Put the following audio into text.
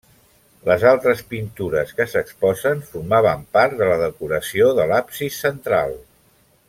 Les altres pintures que s'exposen formaven part de la decoració de l'absis central.